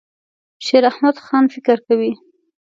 شیراحمدخان فکر کوي.